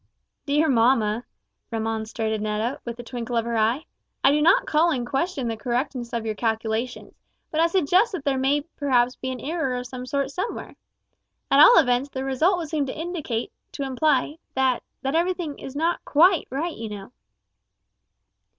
"Dear mamma," remonstrated Netta, with a twinkle of her eye, "I do not call in question the correctness of your calculations, but I suggest that there may perhaps be an error of some sort somewhere. At all events the result would seem to indicate to imply that that everything was not quite right, you know."